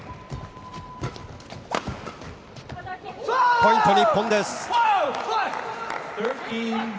ポイント、日本です。